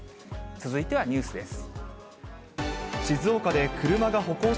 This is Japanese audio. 続いてはニュースです。